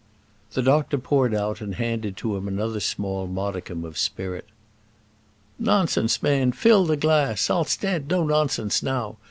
The doctor poured out and handed to him another small modicum of spirit. "Nonsense, man; fill the glass. I'll stand no nonsense now.